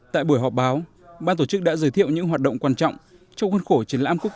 tại buổi họp báo ban tổ chức đã giới thiệu những hoạt động quan trọng trong khuôn khổ triển lãm quốc